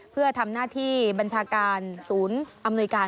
เพื่อทำหน้าที่บัญชาการศูนย์อำนวยการ